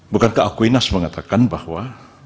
bukankah aquinas mengatakan bahwa